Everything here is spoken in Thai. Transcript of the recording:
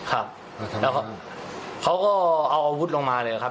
แล้วเขาก็เอาอาวุธลงมาเลยครับ